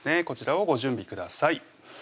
こちらをご準備ください